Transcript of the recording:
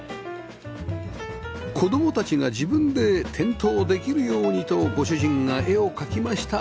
子供たちが自分で点灯できるようにとご主人が絵を描きました